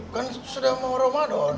kan sudah mau ramadhan